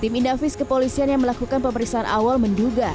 tim inafis kepolisian yang melakukan pemeriksaan awal menduga